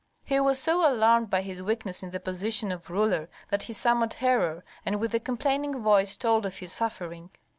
He was so alarmed by his weakness in the position of ruler that he summoned Herhor, and with a complaining voice told of his suffering.